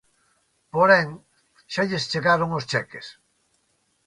Porén, xa lles chegaron os cheques.